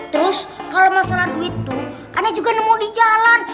terus kalau masalah duit tuh anda juga nemu di jalan